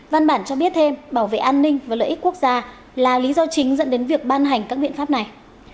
văn bản cho biết thêm bảo vệ an ninh và lợi ích quốc gia là lý do chính dẫn đến việc ban hành các biện pháp này